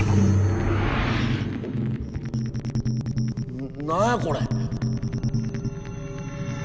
な何やこれ！